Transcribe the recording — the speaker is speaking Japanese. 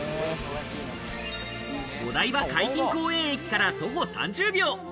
お台場海浜公園駅から徒歩３０秒。